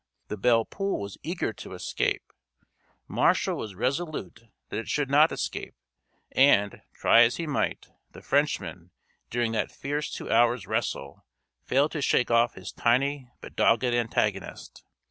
The Belle Poule was eager to escape; Marshall was resolute that it should not escape, and, try as he might, the Frenchman, during that fierce two hours' wrestle, failed to shake off his tiny but dogged antagonist.